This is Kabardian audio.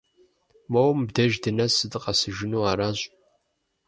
Моуэ мобдеж дынэсу дыкъэсыжыну аращ.